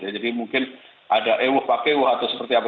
jadi mungkin ada ewuh pakewuh atau seperti apa